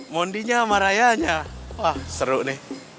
mondinya sama rayanya wah seru nih